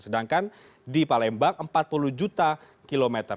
sedangkan di palembang empat puluh juta kilometer